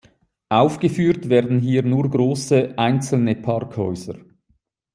Aufgeführt werden hier nur große, einzelne Parkhäuser.